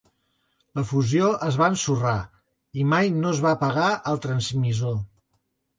La fusió es va ensorrar, i mai no es va pagar el transmissor.